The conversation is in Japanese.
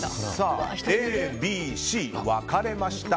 Ａ、Ｂ、Ｃ分かれました。